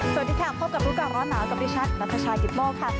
สวัสดีค่ะพบกับรู้ก่อนร้อนหนาวกับดิฉันนัทชายกิตโมกค่ะ